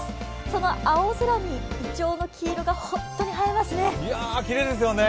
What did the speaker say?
その青空にいちょうの黄色が本当に映えますね。